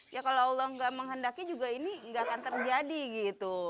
ya kalau allah nggak menghendaki juga ini nggak akan terjadi gitu